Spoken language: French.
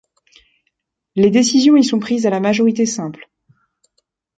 Les décisions y sont prises à la majorité simple.